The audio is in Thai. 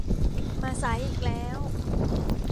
มาสายอีกแล้ว